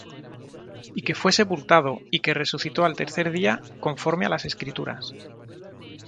Y que fué sepultado, y que resucitó al tercer día, conforme á las Escrituras;